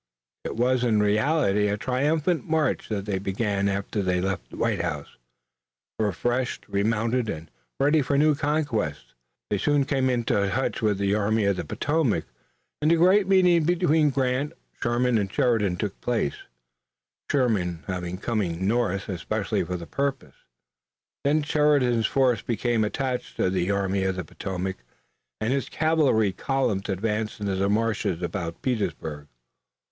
It was in reality a triumphant march that they began after they left White House, refreshed, remounted and ready for new conquests. They soon came into touch with the Army of the Potomac, and the great meeting between Grant, Sherman and Sheridan took place, Sherman having come north especially for the purpose. Then Sheridan's force became attached to the Army of the Potomac, and his cavalry columns advanced into the marshes about Petersburg.